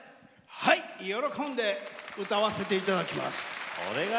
はい、喜んで歌わせていただきます。